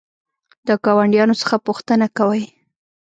د ګاونډیانو څخه پوښتنه کوئ؟